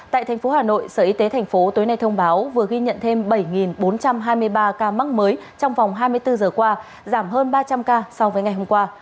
tại thành phố hà nội sở y tế thành phố tối nay thông báo vừa ghi nhận thêm bảy bốn trăm hai mươi ba ca mắc mới trong vòng hai mươi bốn giờ qua giảm hơn ba trăm linh ca so với ngày hôm qua